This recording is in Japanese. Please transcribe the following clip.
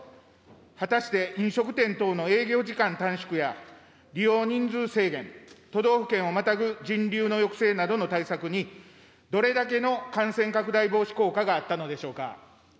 果たして飲食店等の営業時間短縮や、利用人数制限、都道府県をまたぐ人流の抑制などの対策に、どれだけの感染拡大防止効果があったのでしょうか。